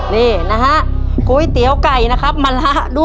เพื่อชิงทุนต่อชีวิตสุด๑ล้านบาท